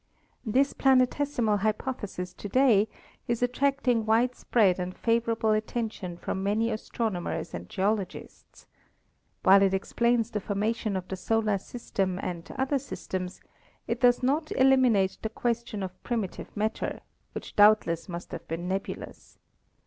This planetesimal hypothesis to day is attracting wide spread and favorable attention from many astronomers and geologists. While it explains the formation of the solar system and other systems, it does not eliminate the question of primitive matter, which doubtless must have been nebu lous.